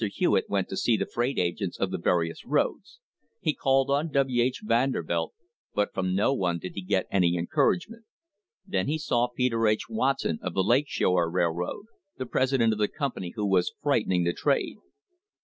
Hewitt went to see the freight agents of the various roads; he called on W. H. Vanderbilt, but from no one did he get any encouragement. Then he saw Peter H. Watson of the Lake Shore Railroad, the president of the company which was frightening the trade.